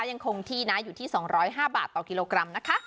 ยังคงที่นะอยู่ที่สองร้อยห้าบาทต่อกิโลกรัมนะคะ